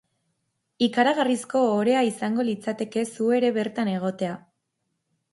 Ikaragarrizko ohorea izango litzateke zu ere bertan egotea.